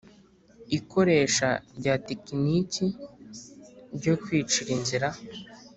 Ikoresha rya tekinike ryo kwicira inzira